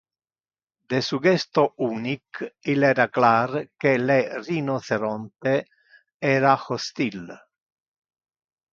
De su gesto unic il era clar que le rhinocerote era hostil.